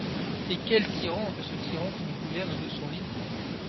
Et quel tyran que ce tyran qui nous gouverne de son lit !